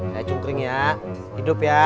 saya cungkring ya hidup ya